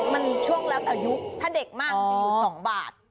มันช่วงละอายุถ้าเด็กมากจะอยู่๒บาท